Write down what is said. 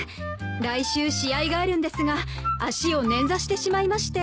来週試合があるんですが足を捻挫してしまいまして。